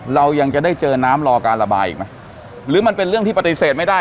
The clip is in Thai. เรายังจะได้เจอน้ำรอการระบายอีกไหมหรือมันเป็นเรื่องที่ปฏิเสธไม่ได้